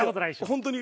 本当に。